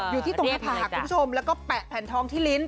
อยู่ที่ตรงหน้าผากคุณผู้ชมแล้วก็แปะแผ่นทองที่ลิ้น